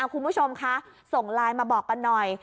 คุณผู้ชมคะส่งไลน์มาบอกกันหน่อย